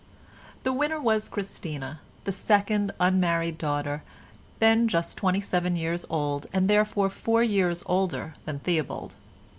The winner was Christina, the second unmarried daughter, then just twenty seven years old and therefore four years older than Theobald.